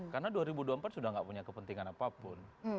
karena dua ribu dua puluh empat sudah tidak punya kepentingan apapun